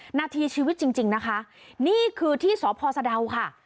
หน้าที่ชีวิตจริงนะคะนี่คือที่สพสะดาวค่ะ